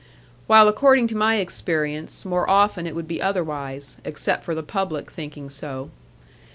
While according to my experience, more often it would be otherwise, except for the public thinking so.